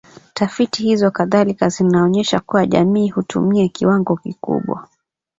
Tafiti hizo kadhalika zinaonesha kuwa jamii hutumia kiwango kikubwa